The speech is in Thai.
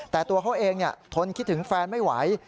แต่ตัวเขาเองทนคิดถึงแฟนไม่ไหว